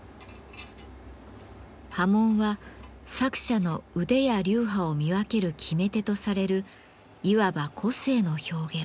刃文は作者の腕や流派を見分ける決め手とされるいわば個性の表現。